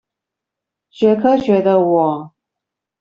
學科學的我